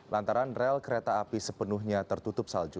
lantaran rel kereta api sepenuhnya tertutup salju